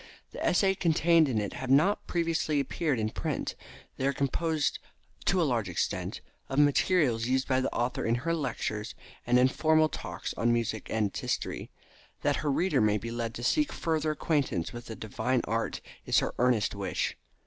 The essays contained in it have not previously appeared in print. They are composed to a large extent of materials used by the author in her lectures and informal talks on music and its history. That her readers may be led to seek further acquaintance with the divine art is her earnest wish.